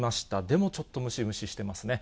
でもちょっとムシムシしてますね。